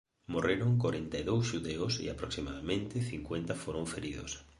Morreron corenta e dous xudeus e aproximadamente cincuenta foron feridos.